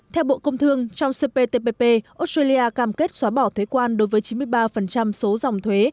theo bộ công thương trong cptpp australia cam kết xóa bỏ thuế quan đối với chín mươi ba số dòng thuế